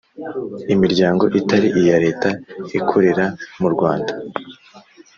Imiryango itari iya Leta ikorera mu Rwanda